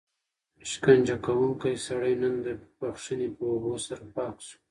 شکنجه کوونکی سړی نن د بښنې په اوبو سره پاک شو.